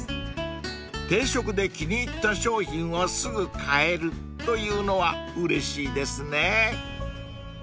［定食で気に入った商品をすぐ買えるというのはうれしいですね］